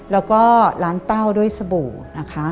แล้วก็ล้างเต้าด้วยสบู่นะคะ